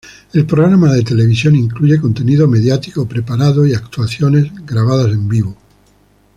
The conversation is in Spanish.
El programa de televisión incluye contenido mediático preparado y actuaciones grabadas en vivo.